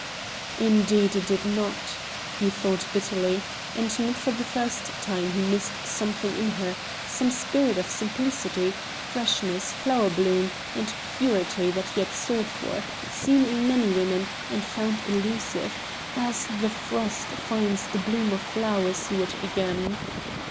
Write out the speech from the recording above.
"Indeed it did not," he thought bitterly, and not for the first time he missed something in her some spirit of simplicity, freshness, flower bloom, and purity that he had sought for, seen in many women, and found elusive, as the frost finds the bloom of flowers he would begem.